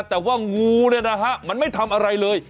แต่ว่างูเนี่ยนะฮะมันไม่ทำอะไรเลย